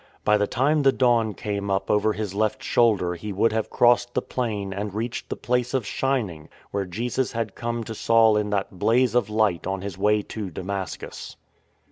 By the time the dawn came up over his left shoulder he would have crossed the plain and reached the Place of Shining, where Jesus had come to Saul in that blaze of light on His way to Damascus.